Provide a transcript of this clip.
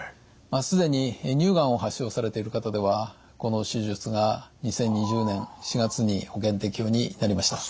既に乳がんを発症されている方ではこの手術が２０２０年４月に保険適用になりました。